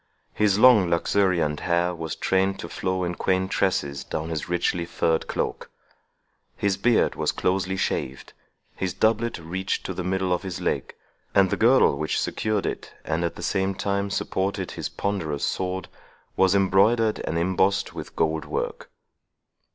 His long luxuriant hair was trained to flow in quaint tresses down his richly furred cloak. His beard was closely shaved, his doublet reached to the middle of his leg, and the girdle which secured it, and at the same time supported his ponderous sword, was embroidered and embossed with gold work.